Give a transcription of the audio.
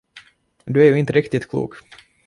Du är ju inte riktigt klok!